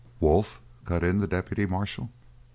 "Wolf?" cut in the deputy marshal.